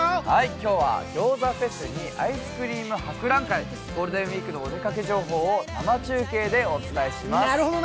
今日は餃子フェスにアイスクリーム博覧会、ゴールデンウイークのお出かけ情報を生中継でお伝えします。